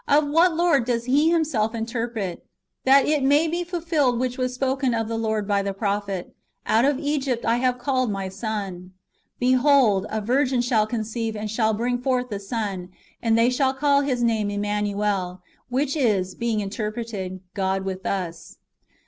^ Of what Lord he does himself interpret :" That it may be ful filled which was spoken of the Lord by the prophet, Out of Egypt have I called my son." ""'' Behold, a virgin shall con ceive, and shall bring forth a son, and they shall his name Emmanuel ; which is, being interpreted, God with us."